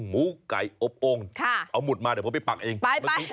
หมูไก่อบโอ่งนะครับเอาห่อยมุดมาเดี๋ยวพอไปปักอันนี้กิจใช่ไหมครับ